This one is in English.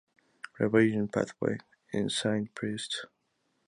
Revaison pathway in Saint-Priest